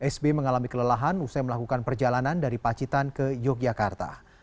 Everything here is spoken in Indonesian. sb mengalami kelelahan usai melakukan perjalanan dari pacitan ke yogyakarta